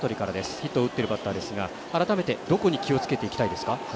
ヒットを打ってるバッターですが改めて、どこに気をつけていきたいですか？